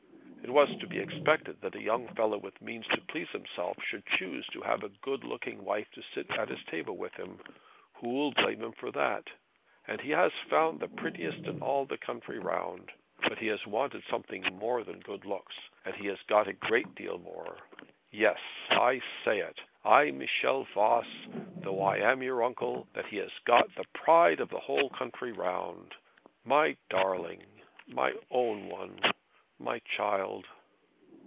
It was to be expected that a young fellow with means to please himself should choose to have a good looking wife to sit at his table with him. Who'll blame him for that? And he has found the prettiest in all the country round. But he has wanted something more than good looks, and he has got a great deal more. Yes; I say it, I, Michel Voss, though I am your uncle; that he has got the pride of the whole country round. My darling, my own one, my child!'